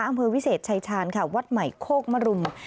อำเภอวิเศษชายชาญค่ะวัดใหม่โคกมรุม